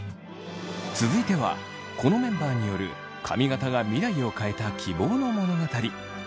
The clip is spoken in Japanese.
続いてはこのメンバーによる髪形が未来を変えた希望の物語。